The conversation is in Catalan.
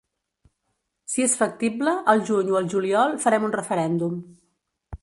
Si és factible, al juny o al juliol farem un referèndum.